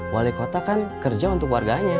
wali kota kan kerja untuk warganya